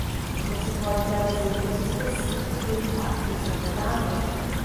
Você pode dar exemplos específicos do impacto do seu trabalho?